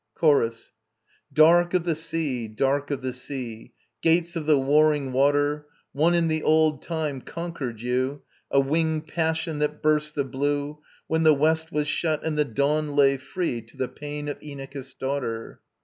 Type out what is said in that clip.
] CHORUS. Dark of the sea, dark of the sea, [STROPHE 1.] Gates of the warring water, One, in the old time, conquered you, A winged passion that burst the blue, When the West was shut and the Dawn lay free To the pain of Inachus' daughter.